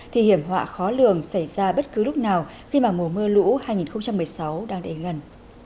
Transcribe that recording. thì hiểm họa khó lường xảy ra bất cứ lúc nào khi mà mùa mưa lũ hai nghìn một mươi sáu đang đến gần